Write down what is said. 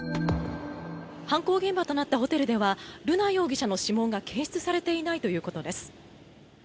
犯行現場となったホテルでは瑠奈容疑者の指紋が検出されていないということです。